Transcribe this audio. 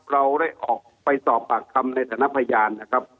เราได้ออกไปสอบปากคำในฐานะพยานนะครับ